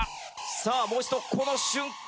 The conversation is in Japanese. さあもう一度この瞬間。